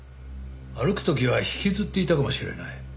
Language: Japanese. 歩く時は引きずっていたかもしれない。